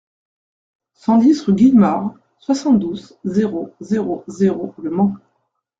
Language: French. cent dix rue Guillemare, soixante-douze, zéro zéro zéro, Le Mans